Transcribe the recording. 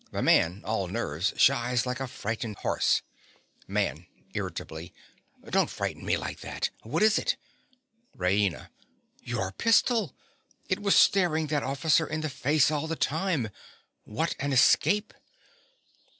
The man, all nerves, shies like a frightened horse._) MAN. (irritably). Don't frighten me like that. What is it? RAINA. Your pistol! It was staring that officer in the face all the time. What an escape!